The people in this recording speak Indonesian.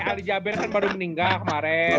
alijaber kan baru meninggal kemaren